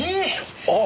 あっ！